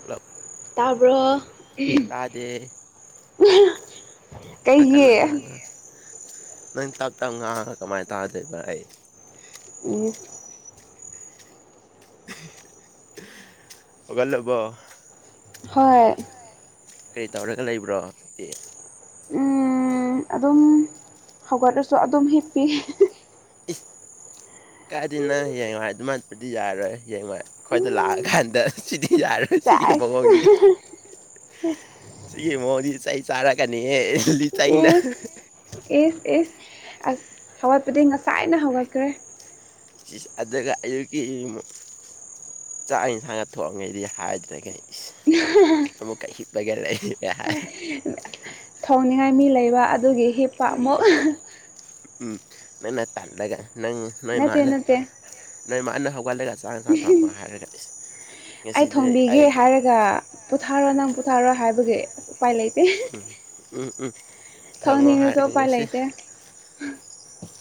ꯄꯨꯂꯞ ꯇꯥꯕ꯭ꯔꯣ ꯈꯔ ꯀꯩꯒꯤ ꯀꯟꯅ ꯉꯥꯡꯉꯣ ꯅꯪ ꯇꯞ ꯇꯞ ꯉꯥꯡꯉꯥꯒ ꯀꯃꯥꯏ ꯇꯥꯗꯣꯏꯕ ꯑꯩ ꯏꯁ ꯍꯧꯒꯠꯂꯕꯣ ꯍꯣꯏ ꯀꯔꯤ ꯇꯧꯔꯒ ꯂꯩꯕ꯭ꯔꯣ ꯅꯪꯗꯤ ꯎꯝ ꯑꯗꯨꯝ ꯍꯧꯒꯠꯂꯁꯨ ꯑꯗꯨꯝ ꯍꯤꯞꯄꯤ ꯀꯥꯏꯗꯩꯅꯣ ꯍꯌꯦꯡꯋꯥꯏ ꯑꯗꯨꯃꯥꯏꯅ ꯇꯧꯔꯗꯤ ꯌꯥꯔꯣꯏ ꯍꯌꯦꯡꯋꯥꯏ ꯑꯈꯣꯏꯗ ꯂꯥꯛꯑꯀꯥꯟꯗ ꯁꯤꯗꯤ ꯌꯥꯔꯔꯣꯏ ꯁꯤꯒꯤ ꯆꯥꯏꯁ ꯃꯑꯣꯡꯗꯤ ꯁꯤꯒꯤ ꯃꯑꯣꯡꯗꯤ ꯆꯩ ꯆꯥꯔꯛꯀꯅꯤꯍꯦ ꯂꯤꯆꯩꯅ ꯏꯁ ꯏꯁ ꯏꯁ ꯑꯁ ꯍꯧꯒꯠꯄꯗꯤ ꯉꯁꯥꯏꯅ ꯍꯧꯒꯠꯈ꯭ꯔꯦ ꯆꯤꯁ ꯑꯗꯨꯒ ꯑꯌꯨꯛꯀꯤ ꯌꯨꯝ ꯆꯥꯛ ꯌꯦꯟꯁꯥꯡꯒ ꯊꯣꯡꯉꯦꯗꯤ ꯍꯥꯏꯗ꯭ꯔꯒ ꯏꯁ ꯑꯃꯨꯛꯀ ꯍꯤꯞꯄꯥꯒ ꯂꯩ ꯊꯣꯡꯅꯤꯡꯉꯥꯏ ꯃꯤ ꯂꯩꯕ ꯑꯗꯨꯒꯤ ꯍꯤꯞꯄ ꯑꯃꯨꯛ ꯎꯝ ꯅꯪꯅ ꯇꯜꯂꯒ ꯅꯪ ꯅꯣꯏ ꯅꯠꯇꯦ ꯃꯥꯅ ꯅꯠꯇꯦ ꯅꯣꯏ ꯃꯥꯅ ꯍꯧꯒꯠꯂꯒ ꯆꯥꯛ ꯌꯦꯟꯁꯥꯡ ꯊꯣꯡꯕ ꯍꯥꯏꯔꯒ ꯏꯁ ꯉꯁꯤꯗꯤ ꯑꯩ ꯑꯗꯨꯒ ꯄꯣꯊꯥꯔꯣ ꯅꯪ ꯄꯣꯊꯥꯔꯣ ꯍꯥꯏꯕꯒꯤ ꯎꯄꯥꯏ ꯂꯩꯇꯦ ꯎꯝ ꯎꯝ ꯎꯝ ꯊꯣꯡꯉꯣ ꯊꯣꯡꯅꯤꯡꯉꯁꯨ ꯍꯥꯏꯔꯗꯤ ꯎꯄꯥꯏ ꯉꯥꯁꯤ ꯂꯩꯇꯦ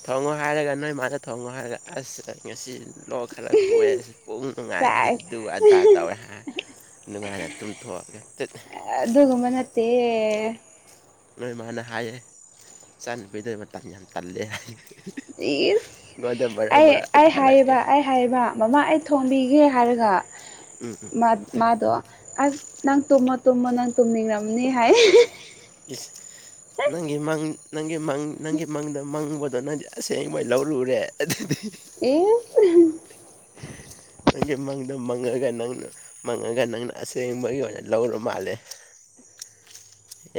ꯊꯣꯡꯉꯣ ꯍꯥꯏꯔꯒ ꯅꯣꯏ ꯃꯥꯗ ꯊꯣꯡꯉꯣ ꯍꯥꯏꯔꯒ ꯑꯁ ꯉꯁꯤ ꯂꯣꯛ ꯈꯔ ꯈꯨꯑꯦ ꯄꯨꯛ ꯅꯨꯡꯉꯥꯏꯇꯦ ꯆꯥꯏꯁ ꯑꯗꯨ ꯑꯗꯥ ꯇꯧꯋꯦ ꯍꯥꯏ ꯅꯨꯡꯉꯥꯏꯅ ꯇꯨꯝꯊꯣꯛꯑꯒ ꯇꯨꯠ ꯑꯗꯨꯒꯨꯝꯕ ꯅꯠꯇꯦ ꯅꯣꯏ ꯃꯥꯅ ꯍꯥꯏꯌꯦ ꯏꯆꯥ ꯅꯨꯨꯄꯤꯗꯣ ꯃꯇꯟ ꯌꯥꯝ ꯇꯜꯂꯦ ꯍꯥꯏ ꯏꯁ ꯑꯩꯉꯣꯟꯗ ꯃꯔꯛ ꯑꯩ ꯃꯔꯛ ꯑꯩ ꯍꯥꯏꯑꯦꯕ ꯍꯥꯏꯔꯛꯑꯦ ꯑꯩ ꯍꯥꯏꯕ ꯃꯃꯥ ꯑꯩ ꯊꯣꯡꯕꯤꯒꯦ ꯍꯥꯏꯔꯒ ꯎꯝ ꯎꯝ ꯃꯥ ꯃꯥꯗꯣ ꯑꯁ ꯅꯪ ꯇꯨꯝꯃꯣ ꯇꯨꯝꯃꯣ ꯅꯪ ꯇꯨꯝꯅꯤꯡꯉꯝꯃꯅꯤ ꯍꯥꯏ ꯏꯁ ꯅꯪꯒꯤꯥ ꯃꯪ ꯅꯪꯒꯤꯥ ꯃꯪ ꯅꯪꯒꯤ ꯃꯪꯗ ꯃꯪꯕꯗꯣ ꯅꯪ ꯑꯁꯦꯡꯕꯒꯤ ꯂꯧꯔꯨꯔꯦ ꯑꯗꯨꯗꯤ ꯑꯦ [unintelligible] ꯅꯪꯒꯤ ꯃꯪꯗꯣ ꯃꯪꯉꯒ ꯅꯪꯅ ꯃꯪꯉꯒ ꯅꯪꯅ ꯑꯁꯦꯡꯕꯒꯤ ꯑꯣꯏꯅ ꯂꯧꯔ ꯃꯥꯜꯂꯦ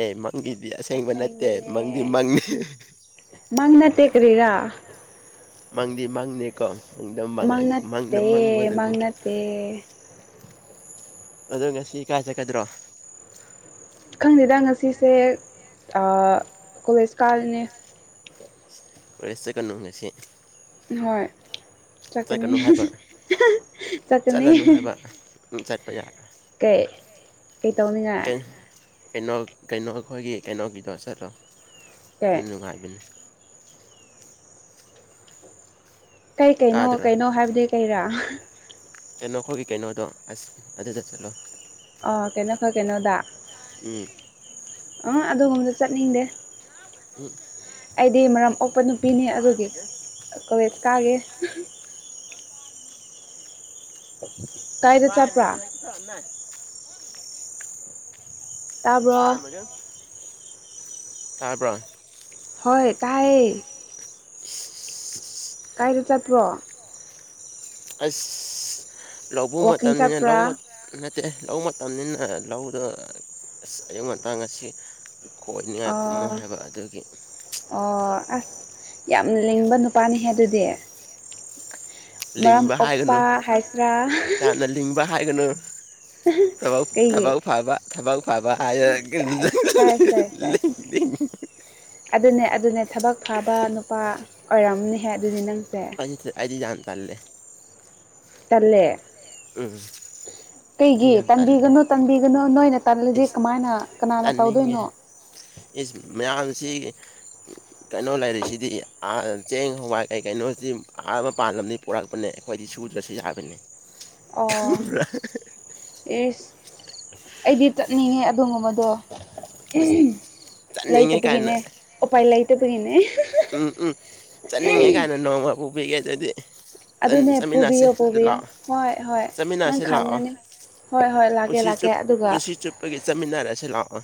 ꯑꯦ ꯒꯤꯗꯤ ꯑꯁꯦꯡꯕ ꯅꯠꯇꯦ ꯃꯪꯗꯤ ꯑꯁꯦꯡꯕꯅꯦ ꯃꯪꯅꯤ ꯃꯪ ꯅꯠꯇꯦ ꯀꯔꯤꯔꯥ ꯃꯪꯗꯤ ꯃꯪꯅꯦꯀꯣ ꯃꯡꯗ ꯃꯡꯉ ꯃꯡꯗ ꯃꯡꯕꯗꯨꯕꯨ ꯇꯦ ꯑꯗꯣ ꯉꯁꯤ ꯀꯥꯏ ꯆꯠꯀꯗ꯭ꯔꯣ ꯈꯪꯗꯦꯗ ꯉꯁꯤꯁꯦ ꯑꯥ ꯀꯣꯂꯦꯖ ꯀꯥꯔꯅꯤ ꯀꯣꯂꯦꯁ ꯆꯠꯀꯅꯨ ꯉꯁꯤ ꯍꯣꯏ ꯆꯠꯀꯅꯤ ꯆꯠꯀꯅꯨ ꯍꯥꯏꯕ [unintelligible] ꯆꯠꯀꯅꯤ ꯆꯠꯂꯅꯨ ꯍꯥꯏꯕ ꯆꯠꯄ ꯌꯥꯔꯣꯏ ꯀꯩ ꯀꯩ ꯇꯧꯅꯤꯡꯉꯥꯏ ꯀꯩꯅꯣ ꯀꯩꯅꯣ ꯈꯣꯏꯒꯤ ꯀꯩꯅꯣꯒꯤꯗꯣ ꯆꯠꯂꯣ ꯑꯗꯨ ꯀꯩ ꯅꯨꯡꯉꯥꯏꯕꯅꯤ ꯀꯩ ꯀꯩꯅꯣ ꯇꯥꯗ꯭ꯔꯣ ꯀꯩꯅꯣ ꯍꯥꯏꯕꯗꯤ ꯀꯩꯔꯥ ꯀꯩꯅꯣꯈꯣꯏꯒꯤ ꯀꯩꯅꯣꯗꯣ ꯑꯁ ꯑꯗꯨꯗ ꯆꯠꯂꯣ ꯑ ꯀꯅꯣꯈꯣꯏ ꯀꯩꯅꯣꯗꯥ ꯎꯝ ꯑ ꯑꯗꯨꯒꯨꯝꯕꯗ ꯆꯠꯅꯤꯡꯗꯦ ꯑꯩꯗꯤ ꯃꯔꯝ ꯑꯣꯛꯄ ꯅꯨꯄꯤꯅꯤ ꯑꯗꯨꯒꯤ ꯀꯣꯂꯦꯖ ꯀꯥꯒꯦ ꯀꯥꯏꯗ ꯕꯥ ꯆꯠꯄ꯭ꯔꯥ ꯍꯥꯏ [unintelligible] ꯇꯥꯕ꯭ꯔꯣ [unintelligible] ꯇꯥꯕ꯭ꯔꯣ ꯍꯣꯏ ꯇꯥꯏꯌꯦ ꯀꯥꯏꯗ ꯆꯠꯄ꯭ꯔꯣ ꯑꯁ ꯂꯧꯕꯨꯛ ꯋꯥꯛꯀꯤꯡ ꯃꯇꯝꯅꯤꯅ ꯂꯧ ꯆꯠꯄ꯭ꯔꯥ ꯅꯠꯇꯦ ꯂꯧ ꯃꯇꯝꯅꯤꯅ ꯂꯧꯗꯣ ꯑꯁ ꯑꯌꯨꯛ ꯉꯟꯇꯥ ꯉꯁꯤ ꯈꯣꯏꯅꯤꯡꯉꯥꯏ ꯀꯨꯝꯃꯨ ꯑꯣ ꯍꯥꯏꯕ ꯑꯗꯨꯒꯤ ꯑꯣ ꯑꯁ ꯌꯥꯝ ꯂꯤꯡꯕ ꯅꯨꯄꯥꯅꯤꯍꯦ ꯑꯗꯨꯗꯤ ꯃꯔꯝ ꯂꯤꯡꯕ ꯑꯣꯛꯄ ꯍꯥꯏꯒꯅꯨ ꯍꯥꯏꯁꯤꯔꯥ [unintelligible] ꯌꯥꯝꯅ ꯂꯤꯡꯕ ꯍꯥꯏꯒꯅꯨ ꯊꯕꯛ ꯀꯩꯒꯤ ꯊꯕꯛ ꯐꯥꯕ ꯊꯥꯕꯛ ꯐꯕ ꯆꯥꯏꯁ ꯆꯥꯏꯁ ꯆꯥꯏꯁ ꯆꯥꯏꯁ [unintelligible] ꯑꯗꯨꯅꯦ ꯑꯗꯨꯅꯦ ꯊꯕꯛ ꯐꯥꯕ ꯅꯨꯄꯥ ꯑꯣꯏꯔꯝꯅꯤꯍꯦ ꯑꯗꯨꯅꯤ ꯅꯪ ꯑꯩꯗꯤ ꯑꯩꯗꯤ ꯌꯥꯝ ꯇꯜꯂꯦ ꯇꯜꯂꯦ ꯎꯝ ꯑꯩꯗꯤ ꯀꯩꯒꯤ ꯌꯥꯝ ꯇꯜꯂꯦ ꯇꯟꯕꯤꯒꯅꯨ ꯇꯟꯕꯤꯒꯅꯨ ꯅꯣꯏꯅ ꯇꯟꯂꯗꯤ ꯏꯁ ꯀꯃꯥꯏꯅ ꯀꯅꯥꯅ ꯇꯥꯅꯤꯡꯉꯦ ꯇꯧꯗꯣꯏꯅꯣ ꯏꯁ ꯃꯌꯥꯝꯁꯤ ꯀꯩꯅꯣ ꯂꯩꯔꯤꯁꯤꯗꯤ ꯆꯦꯡ ꯍꯋꯥꯏ ꯀꯩ ꯀꯩꯅꯣꯁꯤ ꯑꯥ ꯃꯄꯥꯟ ꯂꯝꯅꯤ ꯄꯨꯔꯛꯄꯅꯦ ꯑꯩꯈꯣꯏꯗꯤ ꯁꯨꯗ꯭ꯔꯁꯨ ꯌꯥꯒꯅꯤ ꯑꯣ ꯏꯁ ꯑꯩꯗꯤ ꯆꯠꯅꯤꯡꯉꯦ ꯑꯗꯨꯒꯨꯝꯕꯗꯣ [inaudible] ꯆꯠꯅꯤꯡꯉꯦ ꯀꯥꯏꯅ ꯂꯩꯇꯕꯒꯤꯅꯦ ꯎꯄꯥꯏ ꯂꯩꯇꯕꯒꯤꯅꯦ ꯎꯝ ꯎꯝ ꯆꯠꯅꯤꯡꯉꯦ ꯀꯥꯏꯅ ꯅꯣꯡꯃꯥ ꯄꯨꯕꯤꯒꯦ ꯑꯗꯨꯗꯤ ꯆꯟ ꯑꯗꯨꯅꯦ ꯆꯃꯤꯟꯅꯁꯤ ꯄꯨꯕꯤꯌꯣ ꯑꯗꯨ ꯄꯨꯕꯤꯌꯣ ꯂꯥꯛꯑꯣ ꯍꯣꯏ ꯍꯣꯏ ꯅꯪ ꯆꯃꯤꯟꯅꯁꯤ ꯂꯥꯛꯑꯣ ꯈꯪꯉꯅꯤ ꯍꯣꯏ ꯍꯣꯏ ꯂꯥꯛ ꯄꯨꯟꯁꯤ ꯆꯨꯞ ꯄꯨꯟꯁꯤ ꯆꯨꯞꯄꯒꯤ ꯆꯠꯃꯤꯟꯅꯔꯁꯦ ꯂꯥꯛꯑꯣ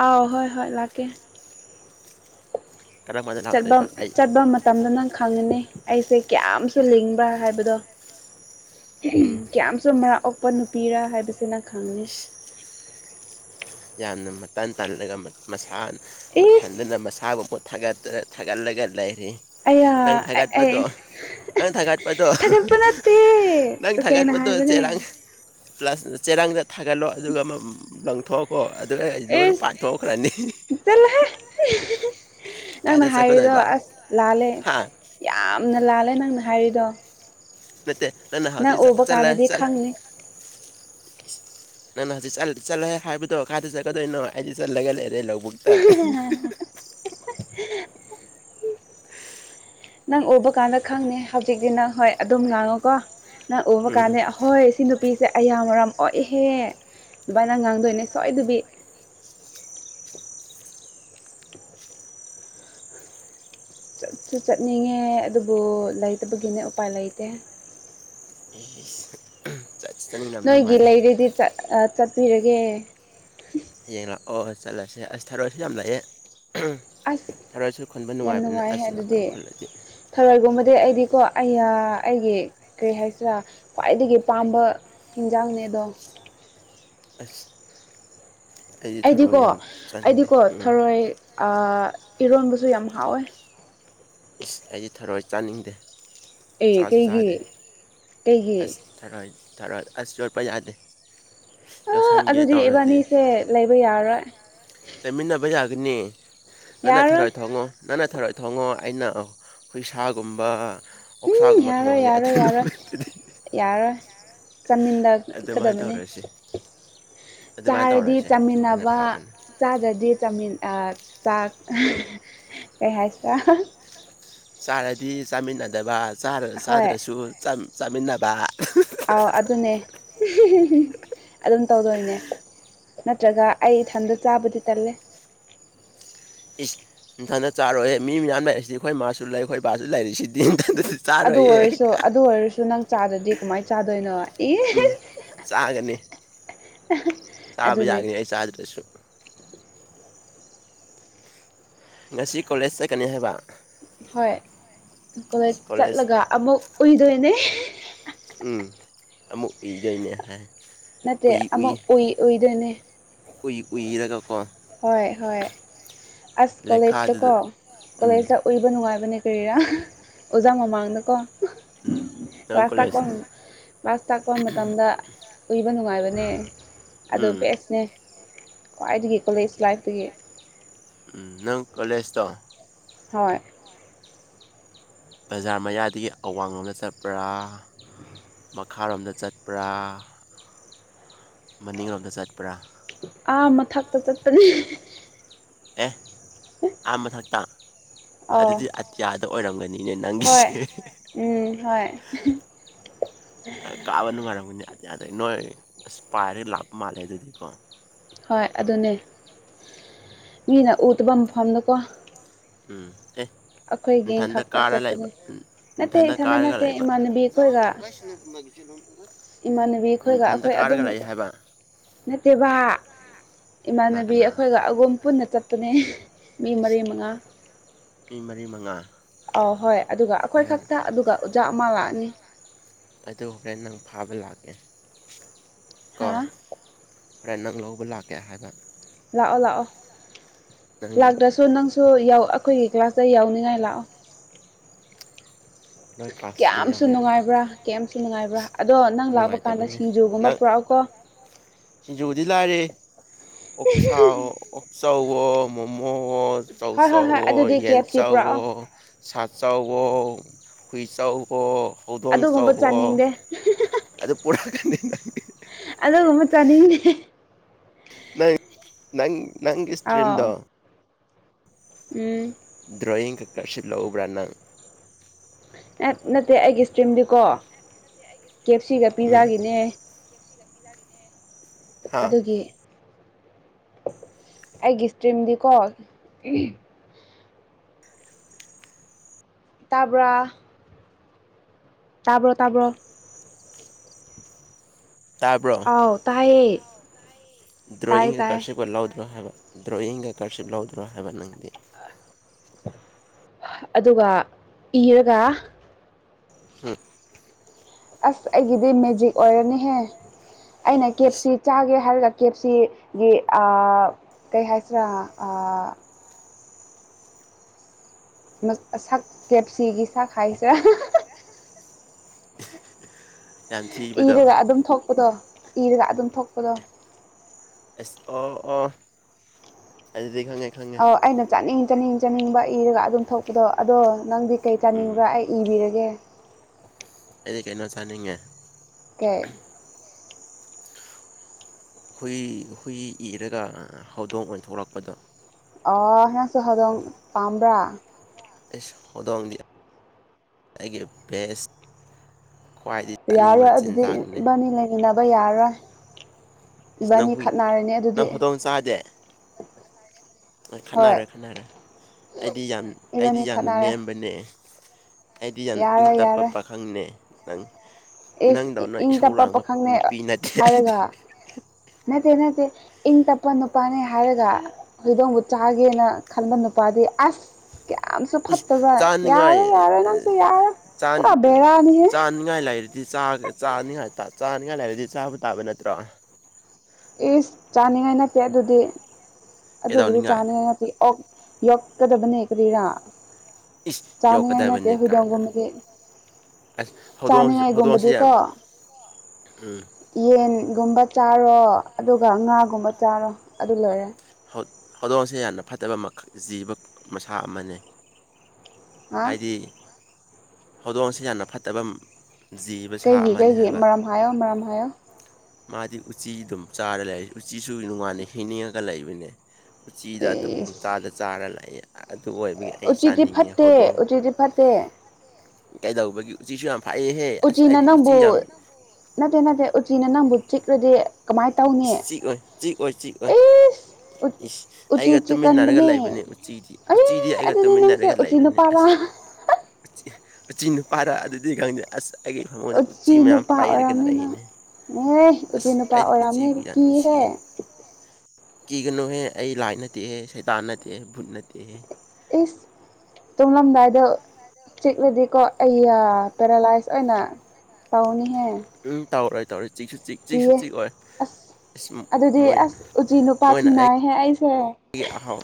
ꯑꯥꯎ ꯍꯣꯏ ꯍꯣꯏ ꯂꯥꯛꯀꯦ ꯀꯔꯝꯕꯗ ꯆꯠꯕꯝ ꯂꯥꯛꯇꯣꯏꯕ ꯑꯩ ꯆꯠꯄ ꯃꯇꯝꯗ ꯅꯪ ꯈꯪꯉꯅꯤ ꯑꯩꯁꯦ ꯀꯌꯥꯝꯁꯨ ꯂꯤꯡꯕ꯭ꯔꯥ ꯍꯥꯏꯕꯗꯣ ꯎꯝ ꯀꯌꯥꯝꯁꯨ ꯃꯔꯥꯝ ꯑꯣꯛꯄ ꯅꯨꯄꯤꯔꯥ ꯍꯥꯏꯕꯁꯤ ꯅꯪ ꯈꯪꯅꯤ ꯏꯁ ꯌꯥꯝꯅ ꯃꯇꯟ ꯇꯥꯜꯂꯒ ꯃ ꯃꯁꯥ ꯏꯁ ꯃꯊꯟꯗꯅ ꯃꯁꯥꯕꯨ ꯊꯥꯒꯠꯇ꯭ꯔ ꯊꯥꯒꯠꯂꯒ ꯂꯩꯔꯦ ꯑꯌꯥ ꯅꯪ ꯑꯩ ꯊꯥꯒꯠꯄꯗꯣ ꯅꯪ ꯊꯥꯒꯠꯄꯗꯣ ꯊꯥꯒꯠꯄ ꯅꯠꯇꯦ ꯅꯪ ꯇꯁꯦꯡꯅ ꯊꯒꯠꯄꯥꯗꯤ ꯍꯥꯏꯕꯅꯦ ꯆꯦꯔꯪ ꯄ꯭ꯂꯁ ꯆꯦꯔꯪꯗ ꯊꯥꯒꯠꯂꯣ ꯑꯗꯨꯒ ꯃꯝ ꯂꯪꯊꯣꯛꯈꯣ ꯑꯗꯨꯒ ꯑ ꯂꯣꯏ ꯏꯁ ꯄꯥꯏꯊꯣꯛꯈ꯭ꯔꯅꯤ ꯆꯠꯂꯣꯍꯦ ꯅꯪꯅ ꯀꯥꯏꯗ ꯍꯥꯏꯔꯤꯗꯣ ꯆꯠꯀꯗꯣꯏꯕ ꯑꯁ ꯂꯥꯜꯂꯦ ꯍꯥ ꯌꯥꯝꯅ ꯂꯥꯜꯂꯦ ꯅꯪꯅ ꯍꯥꯏꯔꯤꯗꯣ ꯅꯠꯇꯦ ꯅꯪꯅ ꯅꯪ ꯍꯧꯖꯤꯛ ꯆ ꯎꯕ ꯆꯠꯂꯦ ꯀꯥꯟꯗꯗꯤ ꯆꯠꯂꯦ ꯈꯪꯅꯤ ꯏꯁ ꯅꯪꯅ ꯍꯧꯖꯤꯛ ꯆꯜ ꯆꯠꯂꯣꯍꯦ ꯍꯥꯏꯕꯗꯣ ꯀꯥꯏꯗ ꯆꯠꯀꯗꯣꯏꯅꯣ ꯑꯩꯗꯤ ꯆꯠꯂꯒ ꯂꯩꯔꯔꯦ ꯂꯧꯕꯨꯛ [unintelligible] [inaudible] ꯅꯪ ꯎꯕ ꯀꯥꯟꯗ ꯈꯪꯅꯤ ꯍꯧꯖꯤꯛꯇꯤ ꯅꯪ ꯍꯣꯏ ꯑꯗꯨꯝ ꯉꯥꯡꯉꯨꯀꯣ ꯅꯪ ꯎꯕ ꯎꯝ ꯀꯥꯟꯗ ꯍꯣꯏ ꯁꯤ ꯅꯨꯄꯤꯁꯦ ꯑꯌꯥꯃꯔꯝ ꯑꯣꯛꯏꯍꯦ ꯑꯗꯨꯕꯥꯏꯅ ꯉꯥꯡꯗꯣꯏꯅꯦ ꯁꯣꯏꯗꯕꯤ ꯆꯠꯁꯨ ꯆꯠꯅꯤꯡꯉꯦ ꯑꯗꯨꯕꯨ ꯂꯩꯇꯕꯒꯤꯅꯦ ꯎꯄꯥꯏ ꯂꯩꯇꯦ [unintelligible] ꯆꯠꯅꯤꯡꯂꯝꯗꯧ ꯅꯣꯏꯒꯤ ꯃꯥꯜꯂꯦ ꯂꯩꯔꯗꯤ ꯆꯠ ꯑꯥ ꯆꯠꯄꯤꯔꯒꯦ ꯍꯌꯦꯡ ꯂꯥꯛꯑꯣ ꯆꯠꯂꯁꯦ ꯑꯁ ꯊꯥꯔꯣꯏꯁꯨ ꯌꯥꯝ ꯂꯩꯑꯦ ꯑꯁ ꯊꯔꯣꯏꯁꯨ ꯈꯨꯟꯕ ꯌꯥꯝ ꯅꯨꯡꯉꯥꯏꯕꯅꯦ ꯅꯨꯡꯉꯥꯏꯍꯦ ꯑꯁ ꯑꯗꯨꯗꯤ ꯉꯥꯍꯥꯛꯇꯪ ꯈꯨꯜꯂꯗꯤ ꯊꯔꯣꯏꯒꯨꯝꯕꯗꯤ ꯑꯩꯗꯤꯀꯣ ꯑꯩꯌꯥ ꯑꯩꯒꯤ ꯀꯔꯤ ꯍꯥꯏꯁꯤꯔꯥ ꯈ꯭ꯋꯥꯏꯗꯒꯤ ꯄꯥꯝꯕ ꯍꯤꯡꯖꯥꯡꯅꯦ ꯑꯗꯣ ꯑꯁ ꯑꯩꯗꯤ ꯑꯩꯗꯤꯀꯣ ꯊꯔꯣꯏ ꯌꯥꯝ ꯆꯥꯅꯤꯡꯗꯦ ꯑꯩꯗꯤꯀꯣ ꯎꯝ ꯊꯔꯣꯏ ꯑꯥ ꯏꯔꯣꯟꯕꯁꯨ ꯌꯥꯝ ꯍꯥꯎꯋꯦ ꯏꯁ ꯑꯩꯗꯤ ꯊꯔꯣꯏ ꯆꯥꯅꯤꯡꯗꯦ ꯑꯦ ꯆꯥꯁꯨ ꯀꯩꯒꯤ ꯆꯥꯗꯦ ꯀꯩꯒꯤ ꯑꯁ ꯊꯔꯣꯏ ꯊꯔꯣꯏ ꯑꯁ ꯌꯣꯠꯄ ꯌꯥꯗꯦ ꯑꯥ ꯌꯣꯠꯁꯟꯒꯦ ꯑꯗꯨꯗꯤ ꯏꯕꯥꯅꯤꯁꯦ ꯂꯩꯕ ꯌꯥꯔꯔꯣꯏ ꯆꯠꯃꯤꯟꯅꯕ ꯌꯥꯒꯅꯤ ꯅꯪꯅ ꯌꯥꯔꯔꯣꯏ ꯊꯔꯣꯏ ꯊꯣꯡꯉꯣ ꯅꯪꯅ ꯊꯔꯣꯏ ꯊꯣꯡꯉꯣ ꯑꯩꯅ ꯍꯨꯏ ꯁꯥꯥꯒꯨꯝꯕ ꯑꯣꯛꯁꯥꯒꯨꯝꯕ ꯊꯣꯡꯉꯒꯦ ꯑꯗꯨ ꯅꯨꯃꯤꯠꯇꯨꯗꯤ ꯌꯥꯔꯔꯣꯏ ꯑꯗꯨꯃꯥꯏꯅ ꯆꯥꯃꯤꯟꯅꯀꯗꯕꯅꯦ ꯇꯧꯔꯁꯤ ꯑꯗꯨꯃꯥꯏꯅ ꯆꯥꯔꯗꯤ ꯇꯧꯔꯁꯦ ꯑꯗꯨꯃꯥꯏꯅ ꯆꯥꯃꯤꯟꯅꯕ ꯐꯕꯅꯦ ꯆꯥꯗ꯭ꯔꯗꯤ ꯆꯥꯃꯤꯟ ꯑꯥ ꯆꯥꯛ ꯀꯩ ꯍꯥꯏꯁꯤꯔꯥ ꯆꯥꯔꯗꯤ ꯆꯥꯃꯤꯟꯅꯗꯕ ꯆꯥꯔ ꯍꯣꯏ ꯆꯥꯗ꯭ꯔꯁꯨ ꯆꯝ ꯆꯥꯃꯤꯟꯅꯕ ꯑꯥꯎ ꯑꯗꯨꯅꯦ [unintelligible] ꯑꯗꯨꯝ ꯇꯧꯗꯣꯏꯅꯦ ꯅꯠꯇ꯭ꯔꯒ ꯑꯩ ꯏꯊꯟꯗ ꯆꯥꯕꯗꯤ ꯇꯜꯂꯦ ꯏꯁ ꯅꯊꯟꯗ ꯆꯥꯔꯣꯏ ꯃꯤ ꯃꯌꯥꯝ ꯂꯩꯏꯁꯤꯗꯤ ꯑꯩꯈꯣꯏ ꯃꯥꯁꯨ ꯂꯩ ꯈꯣꯏ ꯕꯥꯁꯨ ꯂꯩꯔꯤꯁꯤꯗꯤ ꯅꯊꯟꯗꯗꯤ ꯑꯗꯨ ꯆꯥꯔꯣꯏꯌꯦ ꯑꯣꯏꯔꯁꯨ ꯑꯗꯨ ꯑꯣꯏꯔꯁꯨ ꯅꯪ ꯆꯥꯗ꯭ꯔꯗꯤ ꯀꯃꯥꯏꯟ ꯆꯥꯗꯣꯏꯅꯣ ꯎꯝ ꯏꯁ ꯆꯥꯒꯅꯤ ꯆꯥꯕ ꯑꯗꯨꯅꯦ ꯌꯥꯒꯅꯤ ꯑꯩ ꯆꯥꯗ꯭ꯔꯁꯨ ꯉꯁꯤ ꯀꯣꯂꯦꯖ ꯆꯠꯀꯅꯤ ꯍꯥꯏꯕ ꯍꯣꯏ ꯀꯣꯂꯦꯖ ꯆꯠꯂꯒ ꯑꯃꯨꯛ ꯎꯨꯏꯗꯣꯏꯅꯦ ꯎꯝ ꯑꯃꯨꯛ ꯏꯗꯣꯏꯅꯦ ꯍꯥꯏ ꯅꯠꯇꯦ ꯑꯃꯨꯛ ꯎꯏ ꯎꯏꯗꯣꯏꯅꯦ ꯎꯏ ꯎꯏꯔꯒ ꯀꯣ ꯍꯣꯏ ꯍꯣꯏ ꯑꯁ ꯀꯣꯂꯦꯖꯇ ꯀꯣ ꯂꯩꯈꯥꯗꯨꯗ ꯎꯝ ꯀꯣꯂꯦꯖꯇ ꯎꯏꯕ ꯅꯨꯡꯉꯥꯏꯕꯅꯦ ꯀꯔꯤꯔꯥ ꯑꯣꯖꯥ ꯃꯃꯥꯡꯗꯀꯣ ꯎꯝ ꯅꯪ ꯀ꯭ꯂꯥꯁ ꯇꯥꯛꯄ ꯀꯣꯂꯦꯖ ꯀ꯭ꯂꯥꯁ ꯇꯥꯛꯄ ꯃꯇꯝꯗ ꯎꯏꯕ ꯅꯨꯡꯉꯥꯏꯕꯅꯦ ꯑꯗꯣ ꯎꯝ ꯕꯦꯁꯅꯦ ꯈ꯭ꯋꯥꯏꯗꯒꯤ ꯀꯣꯂꯦꯖ ꯂꯥꯏꯐꯇꯒꯤ ꯎꯝ ꯅꯪ ꯀꯣꯂꯦꯖꯇꯣ ꯍꯣꯏ ꯕꯖꯥꯔ ꯃꯌꯥꯢꯗꯒꯤ ꯑꯋꯥꯡꯂꯣꯝꯗ ꯆꯠꯄ꯭ꯔꯥ ꯃꯈꯥꯔꯣꯝꯗ ꯆꯠꯄ꯭ꯔꯥ ꯃꯅꯤꯡꯂꯣꯝꯗ ꯆꯠꯄ꯭ꯔꯥ ꯑꯥ ꯃꯊꯛꯇ ꯆꯠꯄꯅꯦ ꯑꯦ ꯑꯥ ꯃꯊꯛꯇ ꯑꯥꯎ ꯑꯗꯨꯗꯤ ꯑꯇꯤꯌꯥꯗ ꯑꯣꯏꯔꯝꯒꯅꯤ ꯅꯤꯅꯦ ꯍꯣꯏ ꯅꯪꯒꯤꯁꯦ ꯎꯝ ꯍꯣꯏ ꯀꯥꯕ ꯅꯨꯡꯉꯥꯏꯔꯝꯒꯅꯤ ꯑꯇꯤꯌꯥꯗ ꯅꯣꯏ ꯑꯁ ꯄꯥꯏꯔꯦ ꯂꯥꯞꯄ ꯃꯥꯜꯂꯦ ꯑꯗꯨꯗꯤꯀꯣ ꯍꯣꯏ ꯑꯗꯨꯅꯦ ꯃꯤꯅ ꯎꯗꯕ ꯃꯐꯝꯗꯀꯣ ꯎꯝ ꯑꯦ ꯑꯩꯈꯣꯏ ꯒꯦꯡ ꯏꯊꯟꯗ ꯈꯛꯇ ꯀꯥꯔ ꯂꯩꯕ ꯆꯠꯄꯅꯦ ꯅꯠꯇꯦ ꯏꯊꯟꯗ ꯏꯊꯟꯇ ꯀꯥꯔꯒ ꯅꯠꯇꯦ ꯂꯩꯕ ꯏꯃꯥꯟꯅꯕꯤ ꯑꯩꯈꯣꯏꯒ [unintelligible] ꯏꯃꯥꯟꯅꯕꯤ ꯑꯩꯈꯣꯏꯒ ꯅꯊꯟꯇ ꯑꯩꯈꯣꯏ ꯑꯗꯨꯝ ꯀꯥꯔꯒ ꯂꯩ ꯍꯥꯏꯕ ꯅꯠꯇꯦꯕ ꯀꯅꯥ ꯏꯃꯥꯟꯅꯕꯤ ꯀꯅꯥ ꯑꯩꯈꯣꯏꯒ ꯑꯒꯨꯝ ꯄꯨꯟꯅ ꯆꯠꯄꯅꯦ ꯃꯤ ꯏꯁ ꯃꯔꯤ ꯃꯉꯥ ꯃꯤ ꯃꯔꯤ ꯃꯉꯥ ꯑ ꯍꯣꯏ ꯑꯗꯨꯒ ꯑꯩꯈꯣꯏ ꯍꯣꯔꯦꯟ ꯈꯛꯇ ꯑꯗꯨꯒ ꯑꯣꯖꯥ ꯑꯃ ꯂꯥꯛꯑꯅꯤ ꯑꯗꯨ ꯍꯣꯔꯦꯟ ꯅꯪ ꯐꯥꯕ ꯂꯥꯛꯀꯦ ꯀꯣ ꯍꯥ ꯍꯣꯔꯦꯟ ꯅꯪ ꯂꯧꯕ ꯂꯥꯛꯀꯦ ꯍꯥꯏꯕ ꯂꯥꯛꯑꯣ ꯂꯥꯛꯑꯣ ꯅꯪ ꯂꯥꯛꯇ꯭ꯔꯁꯨ ꯅꯪ ꯁꯨ ꯌꯧ ꯑꯩꯈꯣꯏꯒꯤ ꯀ꯭ꯂꯥꯁꯇ ꯌꯥꯎꯅꯤꯡꯉꯥꯏ ꯂꯥꯛꯑꯣ ꯅꯣꯏ ꯀ꯭ꯂꯥꯁꯇꯗꯤ ꯀꯌꯥꯝꯁꯨ ꯌꯥꯎꯅ ꯅꯨꯡꯉꯥꯏꯕ꯭ꯔꯥ ꯀꯩꯝꯁꯨ ꯅꯨꯡꯉꯥꯏꯕ꯭ꯔꯥ ꯏꯁ ꯑꯗꯣ ꯅꯪ ꯂꯥꯛꯄ ꯀꯥꯟꯗ ꯅꯨꯡꯉꯥꯏꯇꯕꯅꯦ ꯁꯤꯡꯖꯨꯒꯨꯝꯕ ꯅꯪ ꯄꯨꯔꯛꯑꯣꯀꯣ ꯁꯤꯡꯖꯨꯗꯤ ꯂꯥꯏꯔꯤ ꯑꯣꯛꯁꯥꯍꯣ ꯑꯣꯛꯆꯧꯋꯣ ꯃꯣꯃꯣꯋꯣ ꯆꯧ ꯍꯣꯏ ꯍꯣꯏ ꯍꯣꯏ ꯆꯧꯋꯣ ꯑꯗꯨꯗꯤ ꯀꯦ ꯌꯦꯟ ꯑꯦꯐ ꯁꯤ ꯆꯥꯎꯋꯣ ꯄꯨꯔꯛꯑꯣ ꯁꯥ ꯆꯧꯋꯣ ꯍꯨꯏ ꯆꯧꯋꯣ ꯍꯧꯗꯣꯡ ꯆꯧꯋꯣ ꯑꯦ [unintelligible] ꯑꯗꯨ ꯄꯨꯔ ꯀꯥꯅꯤ [unintelligible] ꯑꯗꯨꯒꯨꯝꯕ ꯆꯥꯅꯤꯡꯗꯦ ꯅꯪ ꯅꯪ ꯅꯪꯒꯤ ꯑꯥꯎ ꯏꯁꯇ꯭ꯔꯤꯝꯗꯣ ꯎꯝ ꯗ꯭ꯔꯣꯌꯤꯡ ꯈꯛꯇ [unintelligible] ꯂꯧꯕ꯭ꯔꯥ ꯅꯪ ꯅꯠ ꯅꯠꯇꯦ ꯑꯩꯒꯤ ꯁ꯭ꯇꯔꯤꯝꯗꯤꯀꯣ ꯀꯦ ꯑꯦꯐ ꯁꯤꯒ ꯎꯝ ꯄꯤꯖꯥꯒꯤꯅꯦ [unintelligible] ꯑꯗꯨꯒꯤ ꯑꯩꯒꯤ ꯁ꯭ꯇꯔꯤꯝꯗꯤꯀꯣ ꯇꯥꯕ꯭ꯔꯥ ꯇꯥꯕ꯭ꯔꯣ ꯇꯥꯕ꯭ꯔꯣ [inaudible] ꯇꯥꯕ꯭ꯔꯣ ꯑꯥꯎ ꯇꯥꯏꯌꯦ ꯇꯥꯏ ꯗ꯭ꯔꯣꯌꯤꯡꯒ ꯇꯥꯏ ꯀꯔꯁꯤꯞꯒ ꯂꯧꯗ꯭ꯔꯣ ꯍꯥꯏꯕ ꯗ꯭ꯔꯣꯌꯤꯡꯒ ꯀꯔꯁꯤꯞ ꯂꯧꯗ꯭ꯔꯣ ꯍꯥꯏꯕ ꯅꯪꯗꯤ ꯑꯗꯨꯒ ꯏꯔꯒ ꯍꯝ ꯑꯁ ꯑꯩꯒꯤꯗꯤ ꯃꯦꯖꯤꯛ ꯑꯣꯏꯔꯅꯤꯍꯦ ꯑꯩꯅ ꯀꯦ ꯑꯦꯞ ꯏꯁ ꯁꯤ ꯆꯥꯒꯦ ꯍꯥꯏꯔꯒ ꯀꯦ ꯑꯦꯐꯞ ꯁꯤ ꯒꯤ ꯑꯥ ꯀꯩ ꯍꯥꯏꯁꯤꯔꯥ ꯑꯥ ꯅꯠ ꯃꯁꯛ ꯀꯦ ꯑꯦꯐ ꯁꯤ ꯒꯤ ꯁꯛ ꯍꯥꯏꯁꯦ ꯌꯥꯝ ꯊꯤꯕꯗꯣ ꯏꯔꯒ ꯑꯗꯨꯝ ꯊꯣꯛꯄꯗꯣ ꯏꯔꯒ ꯑꯗꯨꯝ ꯊꯣꯛꯄꯗꯣ ꯑꯁ ꯑꯣ ꯑꯣ ꯑꯗꯨꯗꯤ ꯈꯪꯉꯦ ꯈꯪꯉꯦ ꯑꯧ ꯑꯩꯅ ꯆꯥꯅꯤꯡ ꯆꯥꯅꯤꯡ ꯆꯥꯅꯤꯡꯕ ꯏꯔꯒ ꯑꯗꯨꯝ ꯊꯣꯛꯄꯗꯣ ꯑꯗꯣ ꯅꯪꯗꯤ ꯀꯩ ꯎꯝ ꯆꯥꯅꯤꯡꯕ꯭ꯔꯥ ꯑꯩ ꯏꯕꯤꯔꯒꯦ ꯑꯩꯗꯤ ꯀꯩꯅꯣ ꯆꯥꯅꯤꯡꯉꯦ ꯀꯩ ꯍꯨꯏ ꯍꯨꯏ ꯏꯔꯒ ꯍꯧꯗꯣꯡ ꯑꯣꯏꯟ ꯊꯣꯛꯂꯛꯄꯗꯣ ꯑꯣ ꯅꯪꯁꯨ ꯍꯧꯗꯣꯡ ꯄꯥꯝꯕ꯭ꯔꯥ ꯑꯩꯁ ꯍꯧꯗꯣꯡꯗꯤ ꯑꯩꯒꯤ ꯕꯦꯁ ꯈ꯭ꯋꯥꯏꯗꯒꯤ ꯆꯥꯅꯤꯡꯕ ꯌꯥꯔꯣꯏ ꯑꯗꯨꯗꯤ ꯆꯤꯟꯖꯥꯛꯅꯦ ꯏꯕꯥꯅꯤ ꯂꯩꯃꯤꯟꯅꯕ ꯌꯥꯔꯣꯏ ꯏꯁ ꯅꯪ ꯏꯕꯥꯟꯅꯤ ꯍꯨꯏ ꯈꯠꯅꯔꯅꯤ ꯑꯗꯨꯗꯤ ꯅꯪ ꯍꯧꯗꯣꯡ ꯍꯣꯏ ꯈꯠꯅꯔꯦ ꯈꯠꯅꯔꯦ ꯑꯩꯗꯤ ꯌꯥꯝ ꯑꯩꯗꯤ ꯏꯕꯥꯅꯤ ꯌꯥꯝꯅ ꯈꯠꯅꯔꯦ ꯅꯦꯝꯕꯅꯦ ꯑꯩꯗꯤ ꯌꯥꯝꯅ ꯏꯪ ꯌꯥꯔꯦ ꯇꯞꯄ ꯌꯥꯔꯦ ꯄꯥꯈꯪꯅꯦ ꯅꯪ ꯏꯁ ꯅꯪꯗꯧꯅ ꯏꯪ ꯏꯁꯧ ꯇꯞꯄ ꯂꯥꯡꯕ ꯄꯥꯈꯪꯅꯦ ꯅꯨꯄꯤ ꯅꯠꯇꯦ ꯑꯩꯗꯤ ꯍꯥꯏꯔꯒ ꯅꯠꯇꯦ ꯅꯠꯇꯦ ꯏꯪ ꯇꯞꯄ ꯅꯨꯄꯥꯅꯦ ꯍꯥꯏꯔꯒ ꯍꯧꯗꯣꯡꯕꯨ ꯆꯥꯒꯦꯅ ꯈꯟꯕ ꯅꯨꯄꯥꯗꯤ ꯑꯁ ꯀꯌꯥꯝꯁꯨ ꯏꯁ ꯐꯠꯇꯕ ꯆꯥꯅꯤꯡꯉꯥꯏ ꯌꯥꯔꯔꯣꯢ ꯌꯥꯔꯔꯣꯢ ꯅꯪꯁꯦ ꯌꯥꯔꯔꯣꯢ ꯄꯨꯔꯥ ꯕꯦꯔꯥꯅꯤꯍꯦ ꯅꯤꯡꯉꯥꯏ ꯂꯩꯔꯗꯤ ꯆꯥꯖꯦ ꯆꯥꯅꯤꯡꯉꯥꯏꯇ ꯆꯥꯅꯤꯡꯉꯥꯏ ꯂꯩꯥꯔꯗꯤ ꯆꯥꯕ ꯇꯥꯕ ꯅꯠꯇ꯭ꯔꯣ ꯏꯁ ꯆꯥꯅꯤꯡꯉꯥꯏ ꯅꯠꯇꯦ ꯑꯗꯨꯗꯤ ꯑꯗꯨꯕꯨꯗꯤ ꯀꯩꯗꯧꯅꯤꯡꯉꯥꯏ ꯆꯥꯅꯤꯉꯗꯤ ꯑꯣꯛ ꯌꯣꯛꯀꯗꯕꯅꯦ ꯀꯔꯤꯔꯥ ꯏꯁ ꯆꯥꯅꯤꯡꯉꯥꯏ ꯅꯠꯇꯦ ꯌꯣꯛꯀꯗꯕꯅꯤ ꯀꯥꯏꯅ ꯍꯨꯏꯗꯣꯡꯒꯨꯝꯕꯗꯤ ꯑꯁ ꯍꯧꯗꯣꯡ ꯍꯧꯗꯣꯡꯁꯦ ꯌꯥꯝ ꯆꯥꯅꯤꯡꯉꯥꯏꯒꯨꯝꯕꯗꯤꯀꯣ ꯎꯝ ꯌꯦꯟꯒꯨꯝꯕ ꯆꯥꯔꯣ ꯑꯗꯨꯒ ꯉꯥꯒꯨꯝꯕ ꯆꯥꯔꯣ ꯑꯗꯨ ꯂꯣꯏꯔꯦ ꯍꯧꯠ ꯍꯧꯗꯣꯡꯁꯦ ꯌꯥꯝꯅ ꯐꯠꯇꯕ ꯃꯈ ꯖꯤꯕ ꯃꯁꯥ ꯑꯃꯅꯦ ꯍꯥ ꯍꯥꯏꯗꯤ ꯍꯧꯗꯣꯡ ꯑꯁꯤ ꯌꯥꯝꯅ ꯐꯠꯇꯕꯝ ꯖꯤꯕ ꯁꯥ ꯀꯩꯒꯤ ꯑꯃꯅꯦ ꯀꯩꯒꯤ ꯍꯥꯏꯕ ꯃꯔꯝ ꯍꯥꯏꯌꯣ ꯃꯔꯝ ꯍꯥꯏꯌꯣ ꯃꯥꯗꯤ ꯎꯆꯤ ꯑꯗꯨꯝ ꯆꯥꯔ ꯂꯩ ꯎꯆꯤꯁꯨ ꯅꯨꯡꯉꯥꯢꯅ ꯍꯤꯡꯅꯤꯡꯉꯒ ꯂꯩꯕꯅꯦ ꯎꯆꯤꯗ ꯑꯗꯨꯛ ꯏꯁ ꯄꯪꯆꯥꯗ ꯆꯥꯔ ꯂꯥꯢꯌꯦ ꯑꯥ ꯑꯗꯨ ꯑꯣꯏꯕꯒꯤ ꯑꯩ ꯎꯆꯤꯗꯤ ꯆꯥꯅꯤꯡꯉꯦ ꯐꯠꯇꯦ ꯍꯧꯗꯣꯡꯕꯨ ꯎꯆꯤꯗꯤ ꯐꯠꯇꯦ ꯀꯩꯗꯧꯕꯒꯤ ꯎꯆꯤꯁꯨ ꯌꯥꯝ ꯐꯥꯌꯦꯍꯦ ꯑꯁ ꯎꯆꯤꯅ ꯑꯩꯗꯤ ꯎꯆꯤ ꯌꯥꯝ ꯅꯪꯕꯨ ꯅꯠꯇꯦ ꯅꯠꯇꯦ ꯎꯆꯤꯅ ꯅꯪꯕꯨ ꯆꯤꯛꯔꯗꯤ ꯀꯃꯥꯏꯅ ꯇꯧꯅꯤ ꯏꯁ ꯆꯤꯛꯑꯣꯏ ꯆꯤꯛꯑꯣꯏ ꯆꯤꯛꯑꯣꯏ ꯏꯁ ꯏꯁ ꯎꯆꯤ ꯑꯩꯒ ꯆꯤꯛ ꯇꯨꯃꯤꯟꯅꯔꯒ ꯀꯟꯕꯅꯦ꯫ ꯂꯩꯕꯅꯦ ꯎꯆꯤꯗꯤ ꯑꯦ ꯎꯆꯤꯗꯤ ꯑꯩꯒ ꯑꯗꯨꯗꯤ ꯅꯪꯁꯦ ꯇꯨꯃꯤꯟꯅꯔꯒ ꯎꯆꯤ ꯂꯩꯕꯅꯦ ꯑꯁ ꯅꯨꯄꯥꯔꯥ? [unintelligible] ꯎꯆꯤ ꯅꯨꯄꯥꯔ ꯑꯗꯨꯗꯤ ꯈꯪꯗꯦ ꯑꯁ꯫ ꯑꯩꯒꯤ ꯐꯃꯨꯡꯗ ꯎꯆꯤ ꯃꯌꯥꯝ ꯅꯨꯄꯥ ꯄꯩꯔꯒ ꯑꯣꯏꯔꯝꯅꯤ ꯅꯪ ꯂꯩꯅꯦ ꯑꯦ ꯎꯆꯤ ꯑꯁ ꯅꯨꯄꯥ ꯑꯩꯗꯤ ꯑꯣꯏ ꯔꯝꯅꯤ ꯎꯆꯤꯕꯨ ꯀꯤꯌꯦ ꯍꯦ꯫ ꯀꯤꯒꯅꯣꯍꯦ ꯑꯩ ꯂꯥꯏ ꯅꯠꯇꯦꯍꯦ, ꯁꯩꯇꯥꯟ ꯅꯠꯇꯦꯍꯦ, ꯕꯨꯠ ꯅꯠꯇꯦꯍꯦ꯫ ꯏꯁ ꯇꯨꯝꯂꯝꯗꯥꯏꯗꯣ ꯆꯤꯛꯂꯗꯤꯀꯣ ꯑꯩꯌꯥ ꯄꯦꯔꯥꯂꯥꯏꯁ ꯑꯣꯏꯅ ꯇꯧꯅꯤꯍꯦ꯫ ꯎꯝ ꯇꯧꯔꯣꯏ ꯇꯧꯔꯣꯏ ꯆꯤꯛꯁꯨ ꯆꯤꯛ ꯆꯤꯛꯁꯨ ꯆꯤꯛ ꯀꯤꯌꯦ ꯑꯣꯏ ꯑꯁ ꯑꯗꯨꯗꯤ ꯃꯣꯢ ꯑꯁ ꯎꯆꯤ ꯅꯨꯄꯥ ꯃꯣꯏꯅ ꯑꯩ ꯊꯦꯡꯅꯩꯍꯦ ꯑꯩꯁꯦ [unintelligible] ꯑꯍꯥꯎ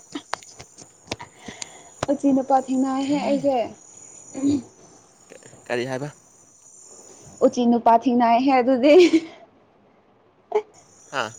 ꯎꯆꯤ ꯅꯨꯄꯥ ꯊꯦꯡꯅꯌꯦꯍꯦ ꯑꯩꯁꯦ꯫ ꯀꯔꯤ ꯍꯥꯏꯕ? ꯎꯆꯤ ꯅꯨꯨꯄꯥ ꯊꯦꯡꯅꯩꯍꯦ ꯑꯗꯨꯗꯤ꯫ ꯍꯥꯥ